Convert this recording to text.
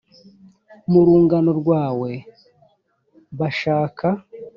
mu rungano rwawe bashaka